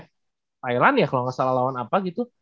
thailand ya kalau nggak salah lawan apa gitu